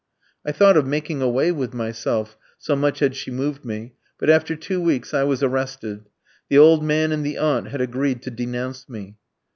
"I thought of making away with myself, so much had she moved me; but after two weeks I was arrested. The old man and the aunt had agreed to denounce me."